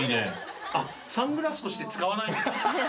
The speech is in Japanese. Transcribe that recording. サングラスとして使わない。